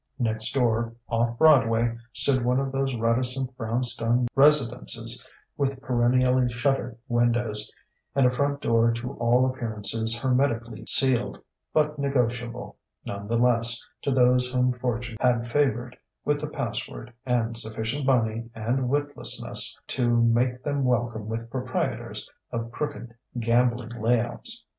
Next door, off Broadway, stood one of those reticent brown stone residences with perennially shuttered windows and a front door to all appearances hermetically sealed, but negotiable, none the less, to those whom fortune had favoured with the password and sufficient money and witlessness to make them welcome with proprietors of crooked gambling layouts.